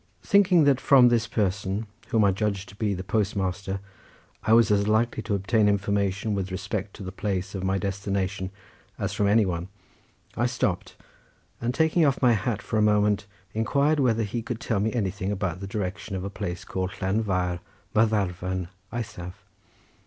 Thinking that from this person, whom I judged to be the post master, I was as likely to obtain information with respect to the place of my destination as from any one, I stopped and taking off my hat for a moment, inquired whether he could tell me anything about the direction of a place called Llanfair Mathafarn eithaf.